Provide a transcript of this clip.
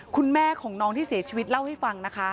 คุณแม่ของน้องที่เสียชีวิตเล่าให้ฟังนะคะ